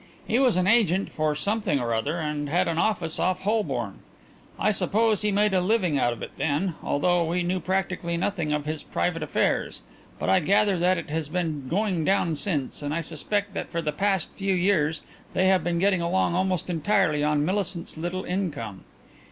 He was an agent for something or other and had an office off Holborn. I suppose he made a living out of it then, although we knew practically nothing of his private affairs, but I gather that it has been going down since, and I suspect that for the past few years they have been getting along almost entirely on Millicent's little income.